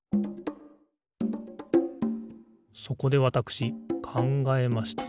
そこでわたしくかんがえました。